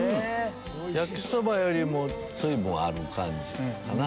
焼きそばよりも水分ある感じかな。